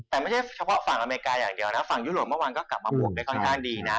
แต่ไม่ใช่เฉพาะฝั่งอเมริกาอย่างเดียวนะฝั่งยุโรปเมื่อวานก็กลับมาปลูกได้ค่อนข้างดีนะ